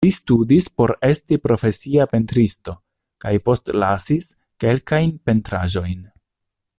Li studis por esti profesia pentristo kaj postlasis kelkajn pentraĵojn.